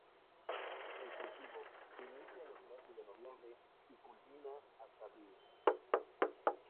El cultivo inicia en los meses de noviembre y culmina hasta abril.